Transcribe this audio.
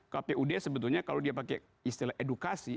kpud sebetulnya kalau dia pakai istilah edukasi